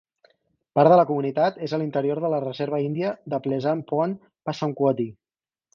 Part de la comunitat és a l'interior de la Reserva Índia de Pleasant Point Passamaquoddy.